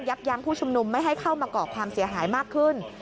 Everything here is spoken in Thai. ยั้งผู้ชุมนุมไม่ให้เข้ามาก่อความเสียหายมากขึ้น